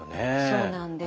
そうなんです。